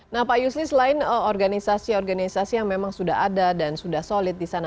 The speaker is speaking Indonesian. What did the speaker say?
nah pak yusli selain organisasi organisasi yang memang sudah ada dan sudah solid di sana